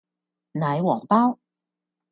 奶皇包